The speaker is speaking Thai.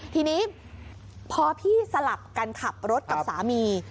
ทีนี้พอพี่สลับกันขับรถกับสามี